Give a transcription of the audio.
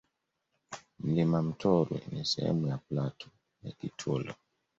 Mlima Mtorwi ni sehemu ya platu ya Kitulo